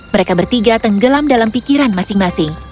mereka bertiga tenggelam dalam pikiran masing masing